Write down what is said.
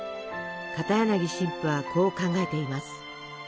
片柳神父はこう考えています。